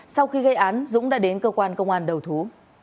sau khi gây án dũng đã đến cơ quan công an đầu thú